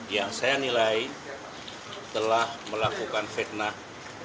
yang saya nilai telah melakukan fitnah